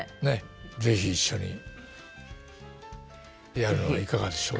是非一緒にやるのはいかがでしょうか？